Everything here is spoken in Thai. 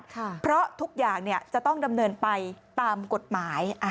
เพราะทุกอย่างจะต้องดำเนินไปตามกฎหมาย